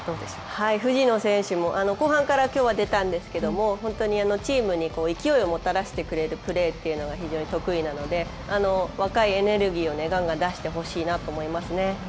藤野選手も後半からきょうは出たんですけれどチームに勢いをもたらしてくれるプレー、非常に得意なので若いエネルギーをどんどん出してほしいなと思います。